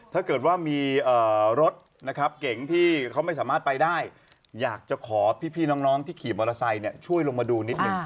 ถ้าเกิดว่ามีรถนะครับเก่งที่เขาไม่สามารถไปได้อยากจะขอพี่น้องที่ขี่มอเตอร์ไซค์ช่วยลงมาดูนิดหนึ่ง